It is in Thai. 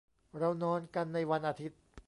เรานอนกันในวันอาทิตย์